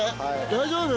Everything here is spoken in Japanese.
大丈夫？